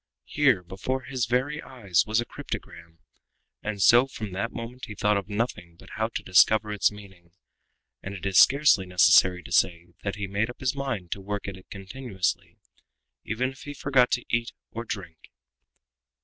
Here, before his very eyes, was a cryptogram! And so from that moment he thought of nothing but how to discover its meaning, and it is scarcely necessary to say that he made up his mind to work at it continuously, even if he forgot to eat or to drink.